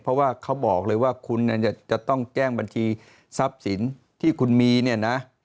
เพราะว่าเขาบอกเลยว่าคุณจะต้องแจ้งบัญชีทรัพย์สินที่คุณมีเนี่ยนะ